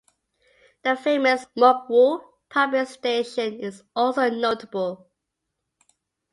The famous Muk Wu pumping station is also notable.